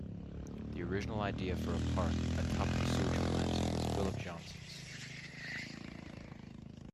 The original idea for a park atop the sewage plant was Phillip Johnson's.